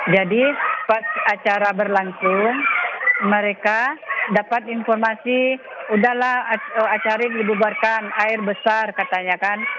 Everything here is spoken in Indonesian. jadi pas acara berlangsung mereka dapat informasi udahlah acara dibubarkan air besar katanya kan